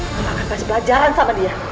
kita akan kasih pelajaran sama dia